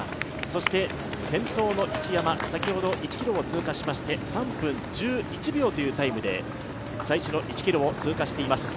そして、先頭の一山先ほど１ｋｍを通過しまして、３分１１秒というタイムで最初の１ｋｍを通過しています。